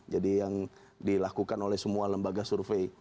jadi yang dilakukan oleh semua lembaga survei